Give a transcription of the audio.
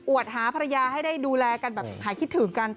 วดหาภรรยาให้ได้ดูแลกันแบบหายคิดถึงกัน